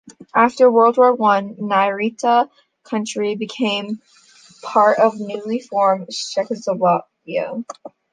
After World War One, Nyitra county became part of newly formed Czechoslovakia.